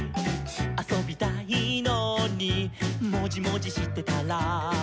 「あそびたいのにもじもじしてたら」